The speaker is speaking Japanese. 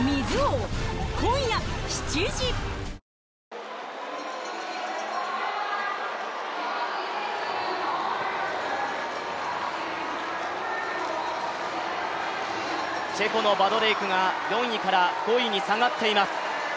続くチェコのバドレイクが４位から５位に下がっています。